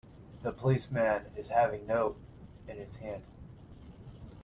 The policeman is having note in his hand.